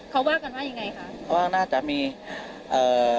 เขาว่ากันว่ายังไงคะเพราะว่าน่าจะมีเอ่อ